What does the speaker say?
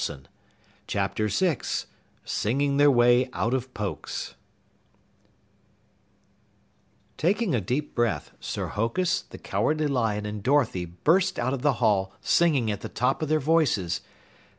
"_ CHAPTER 6 SINGING THEIR WAY OUT OF POKES Taking a deep breath, Sir Hokus, the Cowardly Lion and Dorothy burst out of the hall singing at the top of their voices.